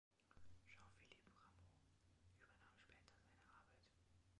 Jean-Philippe Rameau übernahm später seine Arbeit.